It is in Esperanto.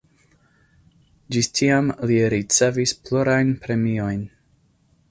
Ĝis tiam li ricevis plurajn premiojn.